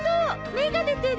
芽が出てる。